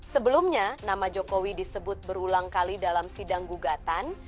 sebelumnya nama jokowi disebut berulang kali dalam sidang gugatan